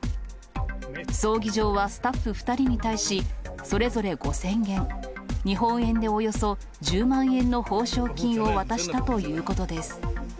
葬儀場はスタッフ２人に対し、それぞれ５０００元、日本円でおよそ１０万円の報奨金を渡したということです。